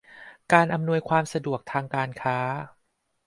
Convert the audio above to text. การอำนวยความสะดวกทางการค้า